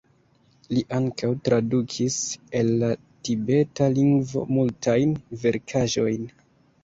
Li ankaŭ tradukis el la tibeta lingvo multajn verkaĵojn.